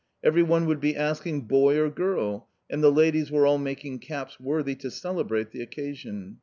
Every one would be asking " boy or girl ?" and the ladies were all making caps worthy to celebrate the occasion.